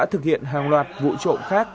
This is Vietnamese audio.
hiện hàng loạt vụ trộn khác